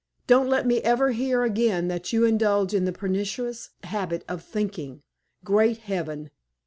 Don't let me ever hear again that you indulge in the pernicious habit of thinking! Great Heaven!